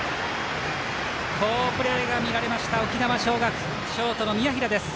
好プレーが見られました沖縄尚学ショートの宮平です。